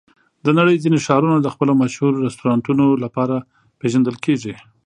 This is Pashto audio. د نړۍ ځینې ښارونه د خپلو مشهور رستورانتونو لپاره پېژندل کېږي.